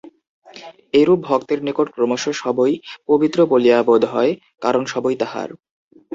এইরূপ ভক্তের নিকট ক্রমশ সবই পবিত্র বলিয়া বোধ হয়, কারণ সবই তাঁহার।